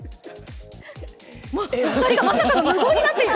お二人がまさかの無言になっている。